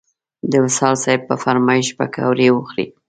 د وصال صیب په فرمایش پکوړې وخوړې.